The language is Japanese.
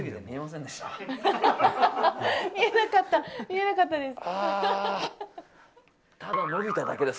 見えなかったです。